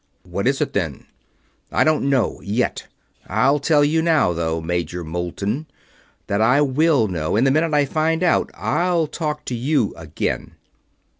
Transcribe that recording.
"What is it, then?" "I don't know yet. I tell you now, though, Major Moulton, that I will know, and the minute I find out I'll talk to you again."